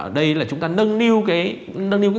ở đây là chúng ta nâng niu cái